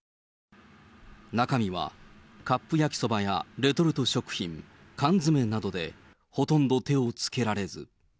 中身は、カップ焼きそばやレトルト食品、缶詰などで、ほとんど手をつけられず。